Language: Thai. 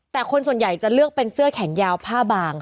แต่คนส่วนใหญ่จะเลือกเป็นเสื้อแขนยาวผ้าบาง